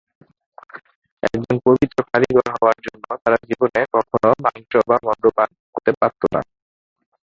একজন পবিত্র কারিগর হওয়ার জন্য তারা জীবনে কখনো মাংস বা মদ্যপান করতে পারত না।